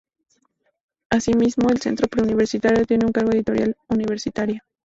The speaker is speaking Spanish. Asimismo el Centro Pre Universitario tiene a su cargo la Editorial Universitaria.